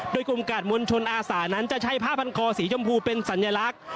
โดยกลุ่มกาดมวลชนอาสานั้นจะใช้ผ้าพันคอสีชมพูเป็นสัญลักษณ์